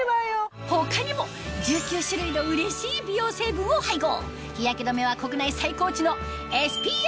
他にも１９種類のうれしい美容成分を配合